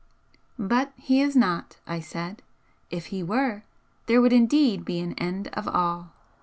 "But He is not," I said; "If He were, there would indeed be an end of all!